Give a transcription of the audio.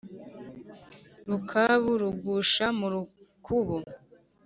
Rukabu rugusha mu rukubo